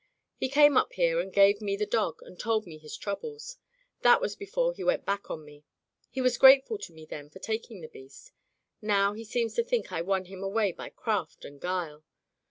He came up here and gave me the dog and told me his troubles. That was be fore he went back on me. He was grateful to me then for taking the beast. Now he seems to think I won him away by craft and guile.